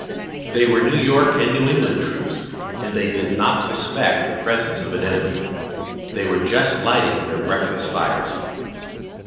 They were New York and New England troops and they did not suspect the presence of an enemy. They were just lighting their breakfast fires.